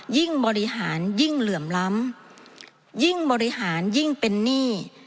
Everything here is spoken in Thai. ยิ่งบริหารยิ่งเหลื่อมล้ำยิ่งบริหารยิ่งเป็นหนี้